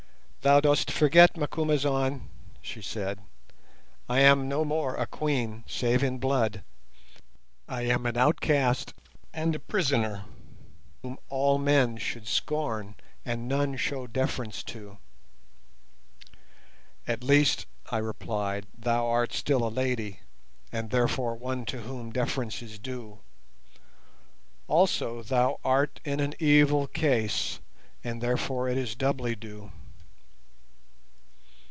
"Thou dost forget, Macumazahn," she said, "I am no more a Queen, save in blood; I am an outcast and a prisoner, one whom all men should scorn, and none show deference to." "At least," I replied, "thou art still a lady, and therefore one to whom deference is due. Also, thou art in an evil case, and therefore it is doubly due."